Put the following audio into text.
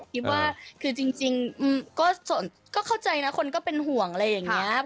คิดว่าคือจริงก็เข้าใจนะคนก็เป็นห่วงอะไรอย่างนี้